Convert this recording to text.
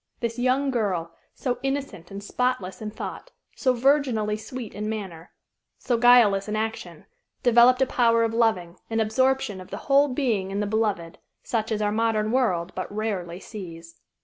This young girl, so innocent and spotless in thought, so virginally sweet in manner, so guileless in action, developed a power of loving, an absorption of the whole being in the beloved, such as our modern world but rarely sees.